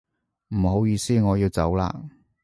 唔好意思，我要走啦